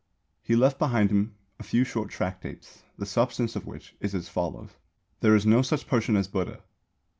He left behind him a few short tractates, the substance of which is as follows: There is no such person as Buddha.